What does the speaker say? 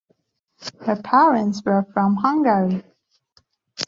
Her parents were from Hungary.